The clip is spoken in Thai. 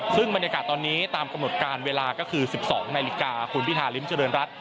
ซึ่งบรรยากาศตอนนี้ตามกำหนดการเวลาก็คือ๑๒นาฬิกาคุณพิธาริมเจริญรัฐ